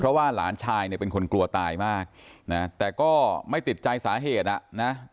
เพราะว่าหลานชายเนี่ยเป็นคนกลัวตายมากนะแต่ก็ไม่ติดใจสาเหตุอ่ะนะ